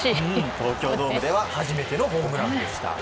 東京ドームでは初めてのホームランでした。